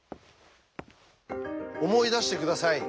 思い出して下さい。